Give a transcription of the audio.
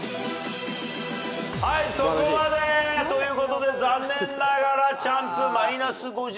はいそこまで。ということで残念ながらチャンプマイナス５０と。